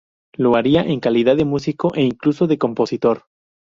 Lo haría en calidad de músico e incluso de compositor.